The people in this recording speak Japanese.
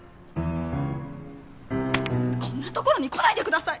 こんなところに来ないでください！